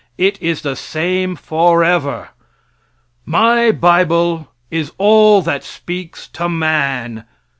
It is the same forever. My bible is all that speaks to man.